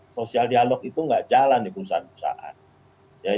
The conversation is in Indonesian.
sosial dialog itu nggak jalan di perusahaan perusahaan